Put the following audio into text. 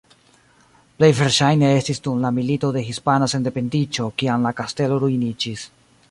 Plej verŝajne estis dum la Milito de Hispana Sendependiĝo kiam la kastelo ruiniĝis.